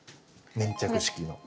粘着式の。